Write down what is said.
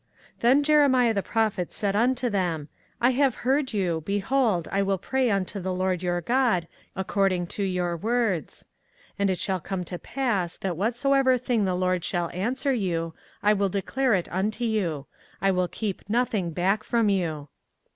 24:042:004 Then Jeremiah the prophet said unto them, I have heard you; behold, I will pray unto the LORD your God according to your words; and it shall come to pass, that whatsoever thing the LORD shall answer you, I will declare it unto you; I will keep nothing back from you.